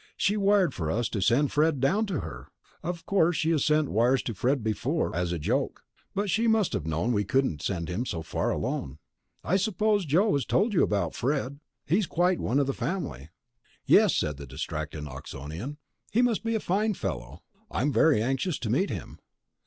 She wired for us to send Fred down to her. Of course she has sent wires to Fred before, as a joke; but she must have known we couldn't send him so far alone. I suppose Joe has told you all about Fred? He's quite one of the family." "Yes," said the distracted Oxonian. "He must be a fine fellow. I'm very anxious to meet him."